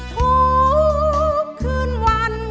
ทุกคืนวันฉัน